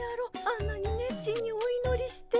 あんなに熱心においのりして。